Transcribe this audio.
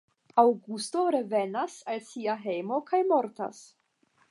Aŭgusto revenas al sia hejmo kaj mortas.